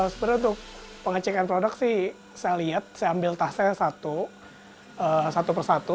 sebenarnya untuk pengecekan produk sih saya lihat saya ambil tasnya satu persatu